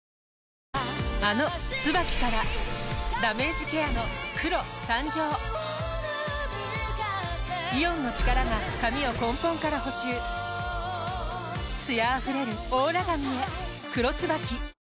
あの「ＴＳＵＢＡＫＩ」からダメージケアの黒誕生イオンの力が髪を根本から補修艶あふれるオーラ髪へ「黒ＴＳＵＢＡＫＩ」